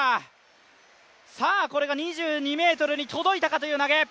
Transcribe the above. さあ、これが２２ｍに届いたかという投げ。